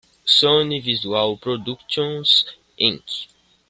Sony Visual Products, Inc.